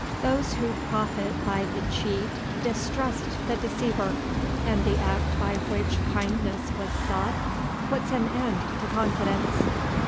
Those who profit by the cheat distrust the deceiver, and the act by which kindness was sought puts an end to confidence.